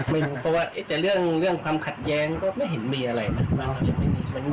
ไม่รู้เพราะว่าเรื่องความขัดแย้งก็ไม่เห็นมีอะไรนะ